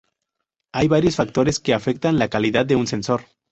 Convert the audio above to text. Hay varios factores que afectan la calidad de un sensor.